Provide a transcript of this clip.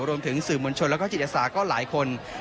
รวมถึงสื่อมวลชนแล้วก็จิตอาสาก็หลายคน